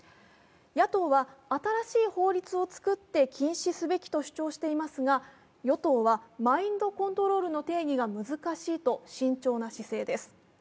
野党は新しい法律を作って禁止すべきと主張していますが与党は、マインドコントロールの定義が難しいと、慎重な姿勢です。